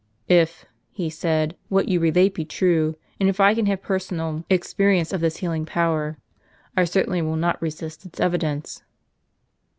" If," he said, " what you relate be true, and if I can have personal experience of this healing power, I certainly will not resist its evidence."